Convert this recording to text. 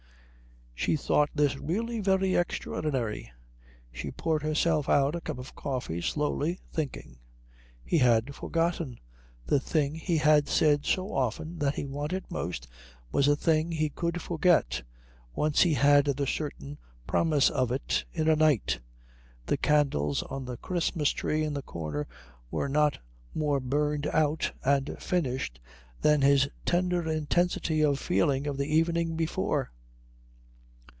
She thought this really very extraordinary. She poured herself out a cup of coffee slowly, thinking. He had forgotten. The thing he had said so often that he wanted most was a thing he could forget, once he had the certain promise of it, in a night. The candles on the Christmas tree in the corner were not more burned out and finished than his tender intensity of feeling of the evening before.